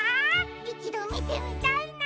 いちどみてみたいな！